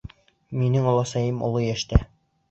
Минең оләсәйем оло йәштә.